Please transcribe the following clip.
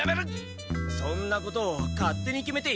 そんなことを勝手に決めていいのか？